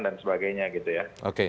dan sebagainya gitu ya oke